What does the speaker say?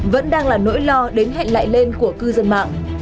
vẫn đang là nỗi lo đến hẹn lại lên của cư dân mạng